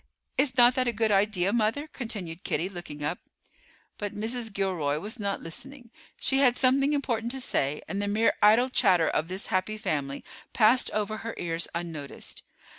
Is not that a good idea, mother?" continued Kitty, looking up. But Mrs. Gilroy was not listening. She had something important to say, and the mere idle chatter of this happy family passed over her ears unnoticed.